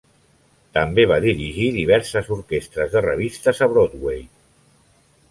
També va dirigir diverses orquestres de revistes a Broadway.